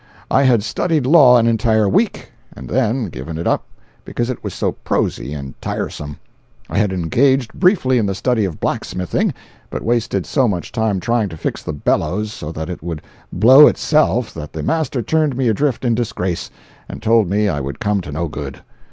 I had studied law an entire week, and then given it up because it was so prosy and tiresome. I had engaged briefly in the study of blacksmithing, but wasted so much time trying to fix the bellows so that it would blow itself, that the master turned me adrift in disgrace, and told me I would come to no good.